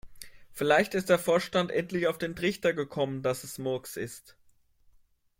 Vielleicht ist der Vorstand endlich auf den Trichter gekommen, dass es Murks ist.